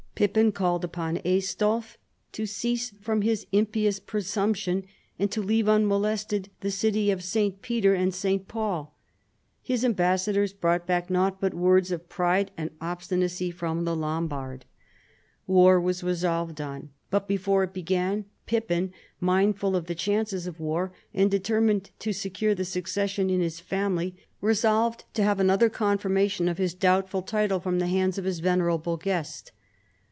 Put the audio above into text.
Pippin called upon Aistulf to cease from his impious presumption, and to leave unmolested the city of St. Peter and St. Paul. His ambassadors brought back nauglit but woids of pride and obstinacy from the Lombard, War was 92 CHARLEMAGNE. resolved on. but before it began, Pippin, mindful of the chances of war, and determined to secure the succession in his family, resolved to have another confirmation of his doubtful title from the hands of his venerable guest.